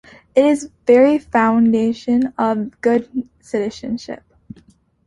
It is the very foundation of good citizenship.